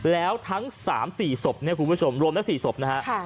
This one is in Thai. แล้วทั้ง๓๔ศพเนี่ยคุณผู้ชมรวมแล้ว๔ศพนะฮะ